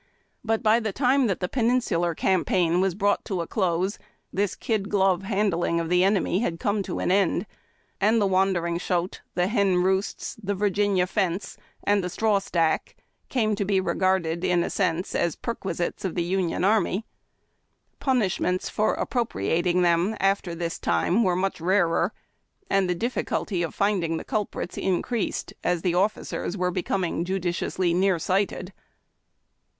But by the time that the Peninsular Campaign was brought to a close this kid glove handling of the enemy had come to an end, and the wandering shote, the hen roosts, the Virginia fence and the straw stack came to be regarded in a sense as per quisites of the Union army. Punishments for appropriating them after this time were much rarer, and the difficulty of finding the culprits increased, as the officers were becoming judiciously near sighted.